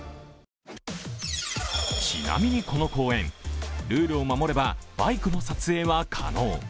ちなみにこの公園、ルールを守ればバイクも撮影は可能。